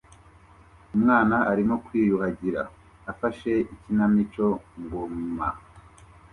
Umwana arimo kwiyuhagira afashe ikinamico ngoma